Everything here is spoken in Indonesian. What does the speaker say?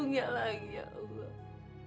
untungnya lagi ya allah